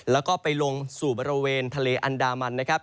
แล้วก็ไปลงสู่บริเวณทะเลอันดามันนะครับ